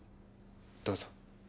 どうぞ。